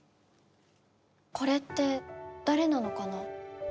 ねえ、これって誰なのかな。